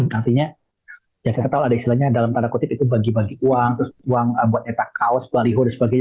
nantinya kita tahu ada istilahnya dalam tanda kutip itu bagi bagi uang uang buatnya tak kaos pelariho dan sebagainya